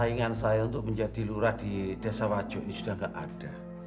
saingan saya untuk menjadi lurah di desa wajo ini sudah tidak ada